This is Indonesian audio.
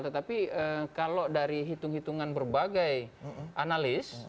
tetapi kalau dari hitung hitungan berbagai analis